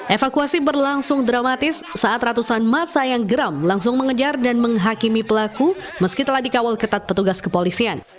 evakuasi berlangsung dramatis saat ratusan masa yang geram langsung mengejar dan menghakimi pelaku meski telah dikawal ketat petugas kepolisian